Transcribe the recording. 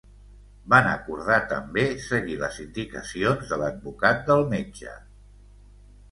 Van acordar també seguir les indicacions de l'advocat del metge.